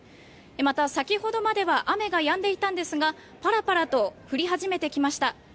また、先ほどまでは雨がやんでいたんですがパラパラと降り始めてきました。